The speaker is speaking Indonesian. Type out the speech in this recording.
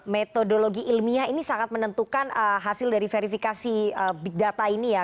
metodologi ilmiah ini sangat menentukan hasil dari verifikasi big data ini ya